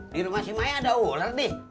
di rumah si maya ada ular nih